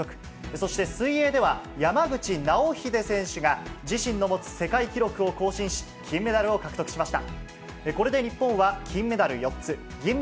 そして水泳では、山口尚秀選手が自身の持つ世界記録を更新し、金メダルを獲得しました。